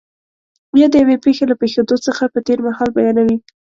یا د یوې پېښې له پېښېدو څخه په تېر مهال بیانوي.